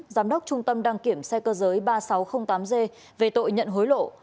giám đốc trung tâm đăng kiểm xe cơ giới ba nghìn sáu trăm linh tám g về tội nhận hối lộ